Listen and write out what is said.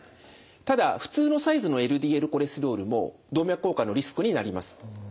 ただ普通のサイズのＬＤＬコレステロールも動脈硬化のリスクになります。